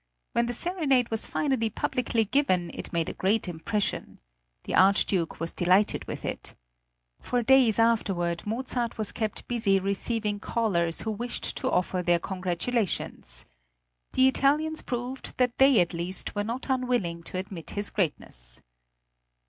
When the serenade was finally publicly given it made a great impression. The Archduke was delighted with it. For days afterward Mozart was kept busy receiving callers who wished to offer their congratulations. The Italians proved that they at least were not unwilling to admit his greatness.